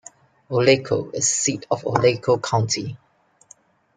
Olecko is the seat of Olecko County.